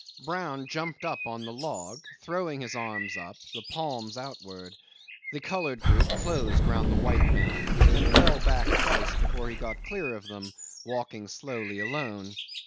Brown jumped up on the log, throwing his arms up, the palms outwards. The coloured group closed round the white man, and fell back twice before he got clear of them, walking slowly alone.